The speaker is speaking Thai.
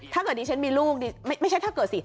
ถ้าเกิดดิฉันมีลูกนี่ไม่ใช่ถ้าเกิดสิ